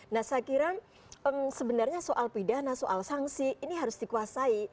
nah saya kira sebenarnya soal pidana soal sanksi ini harus dikuasai